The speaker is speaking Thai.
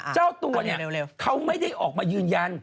เจ้าตัวเนี่ยเขาไม่ได้ออกมายืนยัน